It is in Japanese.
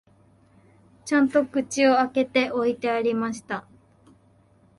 ちゃんと口を開けて置いてありました